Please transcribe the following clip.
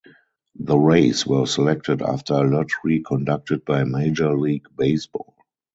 The Rays were selected after a lottery conducted by Major League Baseball.